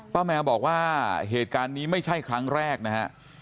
แมวบอกว่าเหตุการณ์นี้ไม่ใช่ครั้งแรกนะฮะ